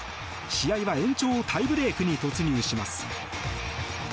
試合は延長タイブレークに突入します。